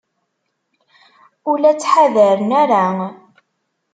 Ur la ttḥadaren ara.